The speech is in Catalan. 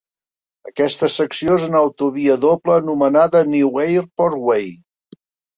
Aquesta secció és una autovia doble anomenada "New Airport Way".